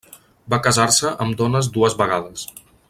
Va casar-se amb dones dues vegades.